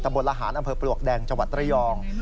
บนระหารอำเภอปลวกแดงจังหวัดระยอง